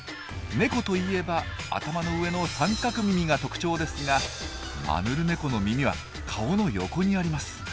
ネコといえば頭の上の三角耳が特徴ですがマヌルネコの耳は顔の横にあります。